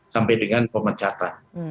sampai dengan pemecatan